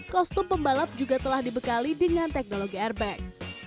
kostum pembalap juga telah dibekali dengan teknologi airbag